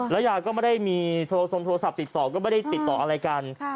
ยายก็ไม่ได้มีโทรทรงโทรศัพท์ติดต่อก็ไม่ได้ติดต่ออะไรกัน